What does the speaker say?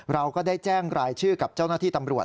เราก็ได้แจ้งรายชื่อกับเจ้าหน้าที่ตำรวจ